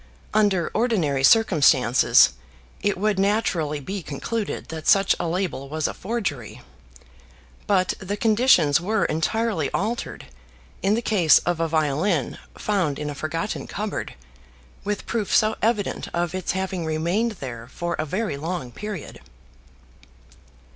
Under ordinary circumstances it would naturally be concluded that such a label was a forgery, but the conditions were entirely altered in the case of a violin found in a forgotten cupboard, with proof so evident of its having remained there for a very long period.